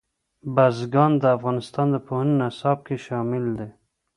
بزګان د افغانستان د پوهنې نصاب کې شامل دي.